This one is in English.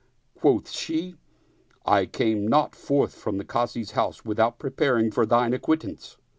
Quoth she, " I came not forth of the Kazi's house without preparing for thine acquittance."